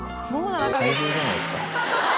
怪獣じゃないですか。